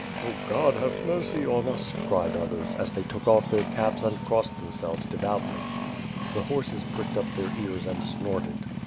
"Oh God, have mercy on ns!" cried others, as they took oflf their caps and crossed themselves devoutly. The horses pricked up their ears and snorted.